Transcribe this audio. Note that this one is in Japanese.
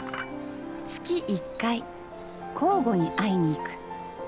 月１回交互に会いに行く。